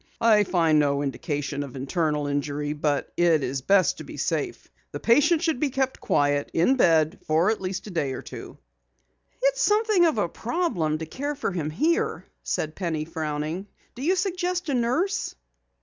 "I find no indication of internal injury, but it is best to be safe. The patient should be kept quiet, in bed, for at least a day or two." "It's something of a problem to care for him here," said Penny frowning. "Do you suggest a nurse?"